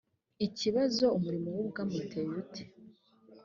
ikibazo umurimo w’ubwami uteye ute‽